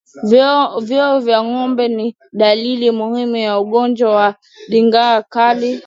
Vifo vya ngombe ni dalili muhimu ya ugonjwa wa ndigana kali